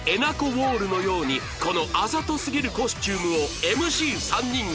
ウォールのようにこのあざとすぎるコスチュームを ＭＣ３ 人が激写！